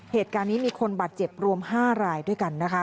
เหตุการณ์นี้มีคนบาดเจ็บรวม๕รายด้วยกันนะคะ